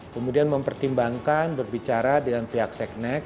kemudian mempertimbangkan berbicara dengan pihak seknek